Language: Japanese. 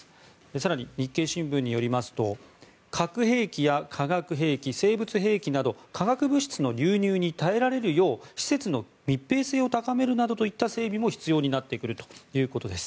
更に、日経新聞によりますと核兵器や化学兵器、生物兵器など化学物質の流入に耐えられるよう施設の密閉性を高めるなどといった整備も必要になってくるということです。